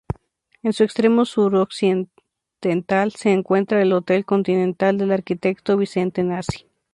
En su extremo suroccidental se encuentra el hotel Continental del arquitecto Vicente Nasi.